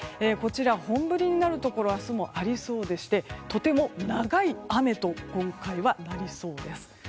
本降りになるところが明日もありそうでしてとても長い雨と今回はなりそうです。